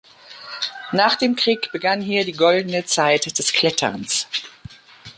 Nach dem Krieg begann hier die goldene Zeit des Kletterns.